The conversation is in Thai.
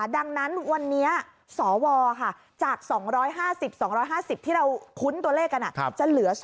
ดังนั้นวันนี้สวจาก๒๕๐๒๕๐ที่เราคุ้นตัวเลขกันจะเหลือ